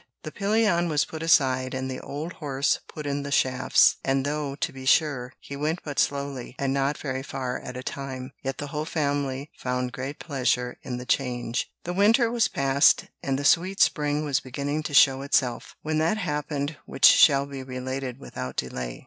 The pillion was put aside, and the old horse put in the shafts: and though, to be sure, he went but slowly, and not very far at a time, yet the whole family found great pleasure in the change. The winter was past, and the sweet spring was beginning to show itself, when that happened which shall be related without delay.